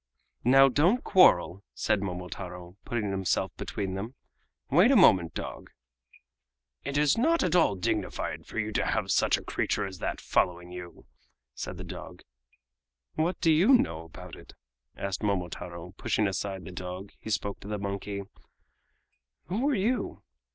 "Now, don't quarrel!" said Momotaro, putting himself between them. "Wait a moment, dog!" "It is not at all dignified for you to have such a creature as that following you!" said the dog. "What do you know about it?" asked Momotaro; and pushing aside the dog, he spoke to the monkey: "Who are you?"